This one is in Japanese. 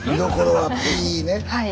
はい。